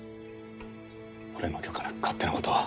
俺の許可なく勝手な事を。